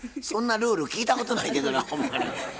そんなルール聞いたことないけどなほんまに。